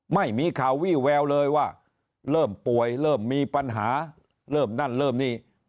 ไม่มีข่าววี่แววเลยว่าเริ่มป่วยเริ่มมีปัญหาเริ่มนั่นเริ่มนี่